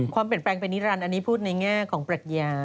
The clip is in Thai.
ความเปลี่ยนแปลงเป็นนิรันดิ์อันนี้พูดในแง่ของปรัชญา